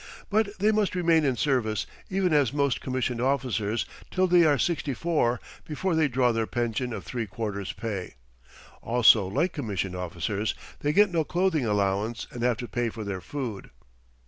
But they must remain in service, even as most commissioned officers, till they are sixty four, before they draw their pension of three quarters pay. Also, like commissioned officers, they get no clothing allowance and have to pay for their food.